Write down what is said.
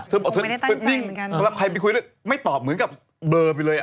คงไม่ได้ตั้งใจเหมือนกันค่ะเพราะว่าใครไปคุยด้วยไม่ตอบเหมือนกับเบลอไปเลยอ่ะ